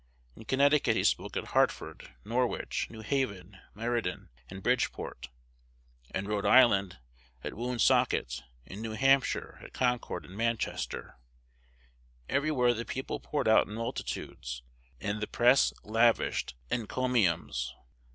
In Connecticut he spoke at Hartford, Norwich, New Haven, Meriden, and Bridgeport; in Rhode Island, at Woonsocket; in New Hampshire, at Concord and Manchester. Everywhere the people poured out in multitudes, and the press lavished encomiums.